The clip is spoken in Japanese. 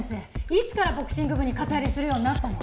いつからボクシング部に肩入れするようになったの？